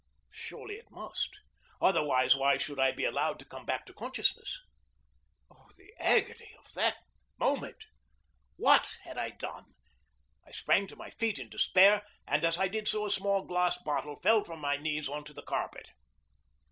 Surely it must; otherwise, why should I be allowed to come back to consciousness? Oh, the agony of that moment! What had I done? I sprang to my feet in my despair, and as I did so a small glass bottle fell from my knees on to the carpet.